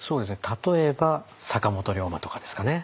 例えば坂本龍馬とかですかね。